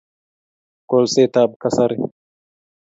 Kolset ab kasari